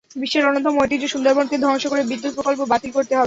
বিশ্বের অন্যতম ঐতিহ্য সুন্দরবনকে ধ্বংস করে বিদ্যুৎ প্রকল্প বাতিল করতে হবে।